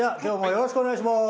よろしくお願いします。